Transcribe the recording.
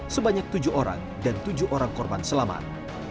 sebanyak tujuh orang dan tujuh orang korban selamat